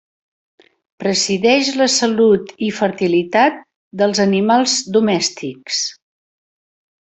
Presideix la salut i fertilitat dels animals domèstics.